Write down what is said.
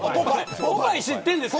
ポパイ知ってるんですか。